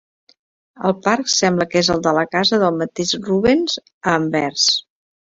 El parc sembla que és el de la casa del mateix Rubens, a Anvers.